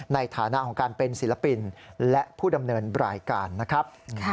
ในฐานะของการเป็นศิลปินและผู้ดำเนินรายการนะครับ